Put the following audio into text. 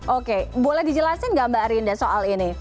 oke boleh dijelasin nggak mbak arinda soal ini